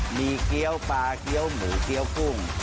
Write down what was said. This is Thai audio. มีเกี้ยวปลาเกี้ยวหมูเกี้ยวกุ้ง